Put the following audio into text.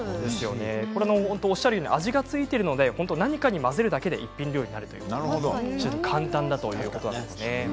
味が付いているので何かに混ぜるだけで一品料理になる非常に簡単だということですね。